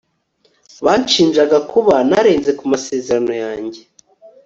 banshinjaga kuba narenze ku masezerano yanjye